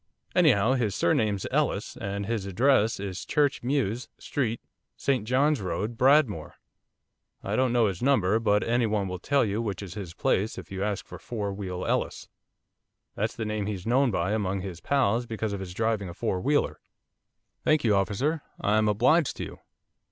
Anyhow his surname's Ellis and his address is Church Mews, St John's Road, Bradmore, I don't know his number, but any one will tell you which is his place, if you ask for Four Wheel Ellis, that's the name he's known by among his pals because of his driving a four wheeler.' 'Thank you, officer. I am obliged to you.